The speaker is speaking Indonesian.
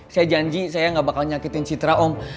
saya janji saya gak bakal nyakitin citra om